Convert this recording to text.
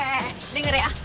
eh denger ya